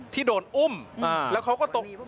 ที่โดนอุ้มแล้วเขาก็ตก